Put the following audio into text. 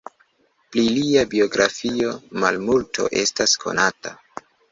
Pri lia biografio malmulto estas konata.